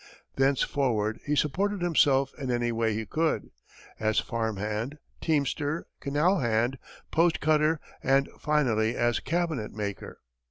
Thenceforward he supported himself in any way he could as farm hand, teamster, canal hand, post cutter, and finally as cabinet maker.